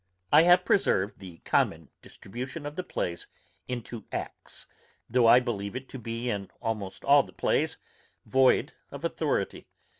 I have preserved the common distribution of the plays into acts, though I believe it to be in almost all the plays void of authority.